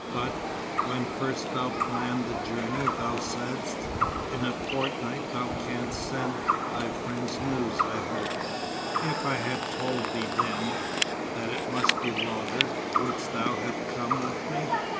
"But when first thou planned the journey, thou saidst; 'In a fortnight thou canst send thy friends news, I hope.'" "If I had told thee then, that it must be longer, wouldst thou have come with me?